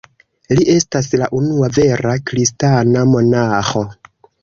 Li estas la unua vera kristana monaĥo.